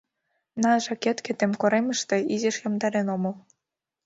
— На, жакеткетым, коремыште изиш йомдарен омыл.